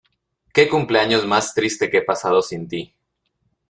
Qué cumpleaños más triste que he pasado sin ti.